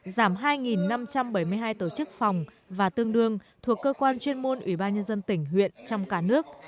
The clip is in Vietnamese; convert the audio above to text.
giảm hai năm trăm bảy mươi hai tổ chức phòng và tương đương thuộc cơ quan chuyên môn ủy ban nhân dân tỉnh huyện trong cả nước